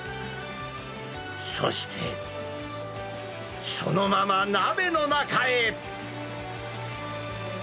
そして、そのまま鍋の中へ。